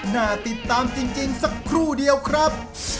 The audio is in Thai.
น่าติดตามจริงสักครู่เดียวครับ